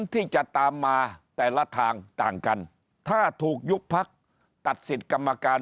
ที่จะตามมาแต่ละทางต่างกันถ้าถูกยุบพักตัดสิทธิ์กรรมการ